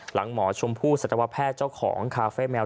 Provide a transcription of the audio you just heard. หมอชมพู่สัตวแพทย์เจ้าของคาเฟ่แมว